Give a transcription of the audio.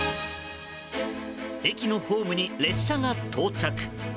駅のホームに列車が到着。